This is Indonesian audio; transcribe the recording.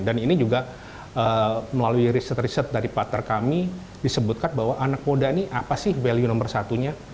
dan ini juga melalui riset riset dari partner kami disebutkan bahwa anak muda ini apa sih value nomor satunya